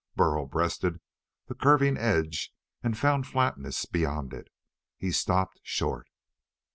Burl breasted the curving edge and found flatness beyond it. He stopped short.